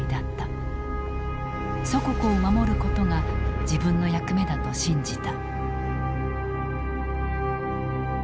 祖国を守ることが自分の役目だと信じた。